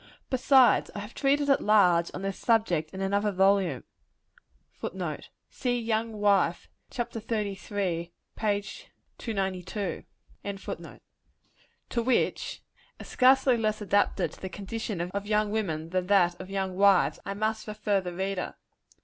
Besides, I have treated at large on this subject in another volume, [Footnote: See the Young Wife, chap. xxxiii. p. 292.] to which, as scarcely less adapted to the condition of young women than that of young wives, I must refer the reader.